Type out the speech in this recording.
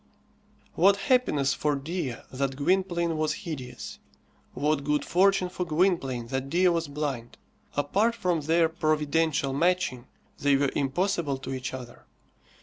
What happiness for Dea that Gwynplaine was hideous! What good fortune for Gwynplaine that Dea was blind! Apart from their providential matching, they were impossible to each other.